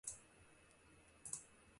土死了！